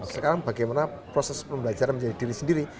sekarang bagaimana proses pembelajaran menjadi diri sendiri